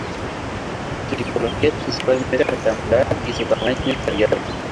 Su tipología es principalmente rectangular y su tamaño es variado.